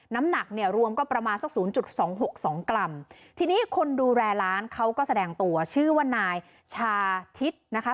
น้ำหนักเนี่ยรวมก็ประมาณสักศูนย์จุดสองหกสองกรัมทีนี้คนดูแลร้านเขาก็แสดงตัวชื่อว่านายชาทิศนะคะ